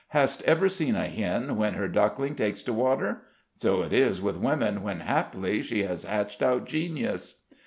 Hast ever seen a hen when her duckling takes to water? So it is with woman when, haply, she has hatched out genius."